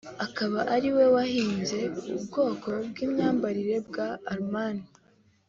akaba ariwe wahimbye ubwoko bw’imyambaro bwa Armani